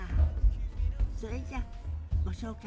それじゃあご紹介しましょう！